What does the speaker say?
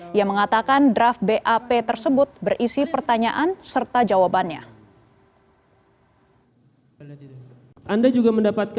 dia mengatakan draft bap tersebut berisi pertanyaan serta jawabannya